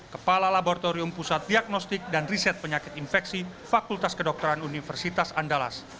kepala laboratorium pusat diagnostik dan riset penyakit infeksi fakultas kedokteran universitas andalas